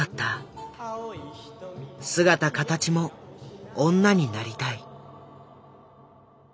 姿形も女になりたい。